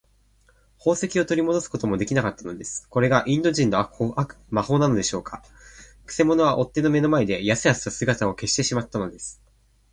宝石をとりもどすこともできなかったのです。これがインド人の魔法なのでしょうか。くせ者は追っ手の目の前で、やすやすと姿を消してしまったのです。